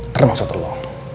ternyata maksud lo